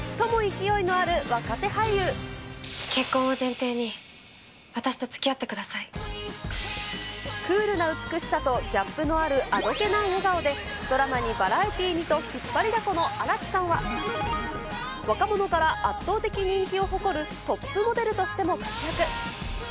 今、結婚を前提に、クールな美しさとギャップのあるあどけない笑顔で、ドラマにバラエティにと、引っ張りだこの新木さんは、若者から圧倒的人気を誇る、トップモデルとしても活躍。